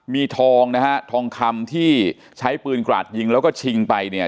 มีทองนะฮะทองคำที่ใช้ปืนกราดยิงแล้วก็ชิงไปเนี่ย